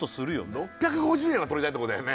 ６５０円は取りたいとこだよね